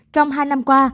trong hai năm qua